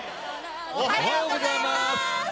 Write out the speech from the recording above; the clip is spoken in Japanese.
おはようございます！